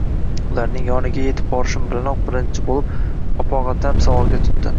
Ularning yoniga yetib borishim bilanoq, birinchi bo‘lib opog‘otam savolga tutdi: